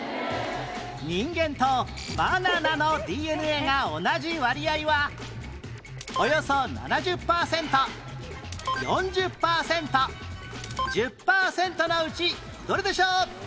人間とバナナの ＤＮＡ が同じ割合はおよそ７０パーセント４０パーセント１０パーセントのうちどれでしょう？